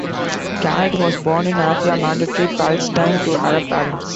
Khaled was born in Haifa, Mandatory Palestine, to Arab parents.